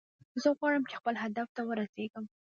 زه غواړم چې خپل هدف ته ورسیږم